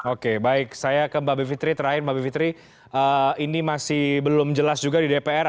oke baik saya ke mbak bivitri terakhir mbak bivitri ini masih belum jelas juga di dpr